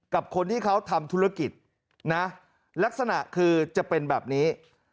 กับคนที่เขาทำธุรกิจนะลักษณะคือจะเป็นแบบนี้